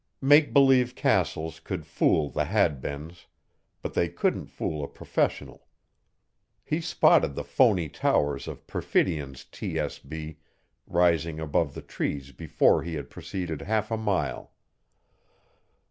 Make believe castles could fool the hadbeens, but they couldn't fool a professional. He spotted the phony towers of Perfidion's TSB rising above the trees before he had proceeded half a mile.